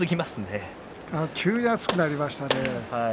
急に暑くなりましたね。